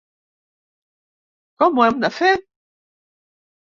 Com ho hem de fer?